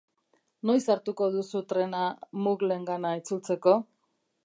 Noiz hartuko duzu trena muggleengana itzultzeko?